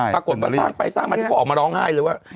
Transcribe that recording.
ปรากฏว่าสร้างไปสร้างมาที่เขาออกมาร้องไห้เลยว่า